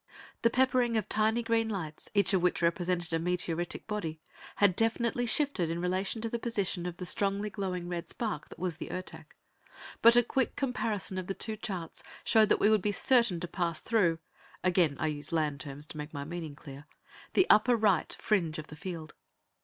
The peppering of tiny green lights, each of which represented a meteoritic body, had definitely shifted in relation to the position of the strongly glowing red spark that was the Ertak, but a quick comparison of the two charts showed that we would be certain to pass through again I use land terms to make my meaning clear the upper right fringe of the field.